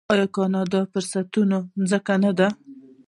آیا کاناډا د فرصتونو ځمکه نه ده؟